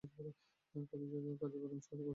খাদিজা কাজু বাদাম বহু বছর আগের ঐতিহ্য।